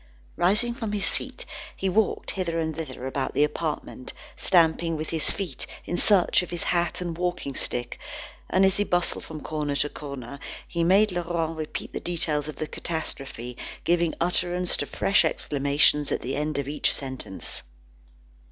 Rising from his seat, he walked hither and thither about the apartment, stamping with his feet, in search of his hat and walking stick; and, as he bustled from corner to corner, he made Laurent repeat the details of the catastrophe, giving utterance to fresh exclamations at the end of each sentence.